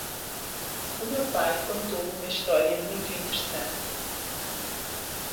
O meu pai contou-me uma história muito interessante.